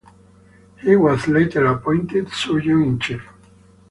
He was later appointed surgeon-in-chief.